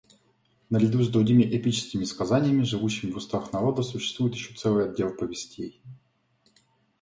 Наряду с другими эпическими сказаниями, живущими в устах народа, существует еще целый отдел повестей.